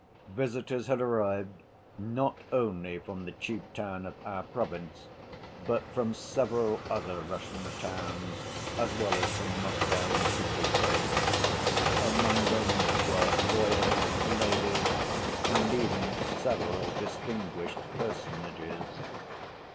Visitors had arrived not only from the chief town of our province, but from several other Russian towns, as well as from Moscow and Petersburg. Among them were lawyers, ladies, and even several distinguished personages.